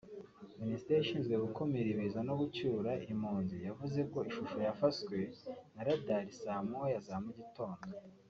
Minisiteri ishinzwe gukumira ibiza no gucyura impunzi yavuze ko ishusho yafaswe na Radar saa moya za mu gitondo